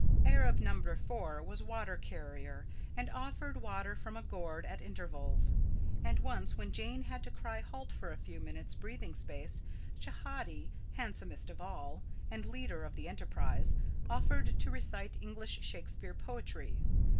Arab number four was water carrier, and offered water from a gourd at intervals; and once, when Jane had to cry halt for a few minutes' breathing space, Schehati, handsomest of all, and leader of the enterprise, offered to recite English Shakespeare poetry.